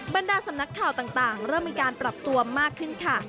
บรรดาสำนักข่าวต่างเริ่มมีการปรับตัวมากขึ้นค่ะ